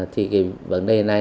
thì vấn đề này